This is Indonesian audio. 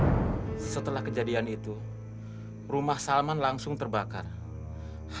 api enggak lama kemudian istrinya pun meninggal secara aneh